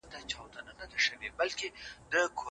د پلار په سیوري کي موږ د پاچاهۍ احساس کوو.